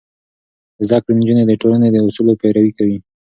زده کړې نجونې د ټولنې د اصولو پيروي کوي.